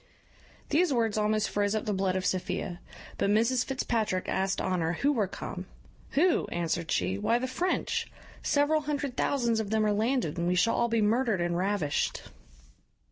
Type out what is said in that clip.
These words almost froze up the blood of Sophia; but Mrs Fitzpatrick asked Honour who were come? "Who?" answered she, "why, the French; several hundred thousands of them are landed, and we shall be all murdered and ravished."